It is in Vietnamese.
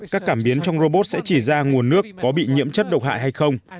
các cảm biến trong robot sẽ chỉ ra nguồn nước có bị nhiễm chất độc hại hay không